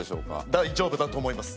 大丈夫だと思います。